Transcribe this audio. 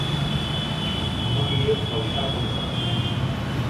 No li he faltat en res.